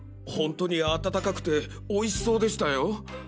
ホントに温かくておいしそうでしたよ？